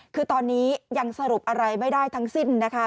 คือตอนนี้ยังสรุปอะไรไม่ได้ทั้งสิ้นนะคะ